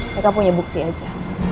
mereka punya bukti aja